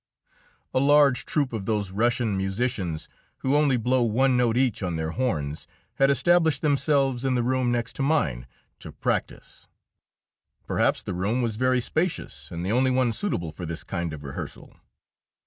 A large troop of those Russian musicians who only blow one note each on their horns had established themselves in the room next to mine to practise. Perhaps the room was very spacious and the only one suitable for this kind of rehearsal.